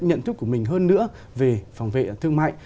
nhận thức của mình hơn nữa về phòng vệ thương mại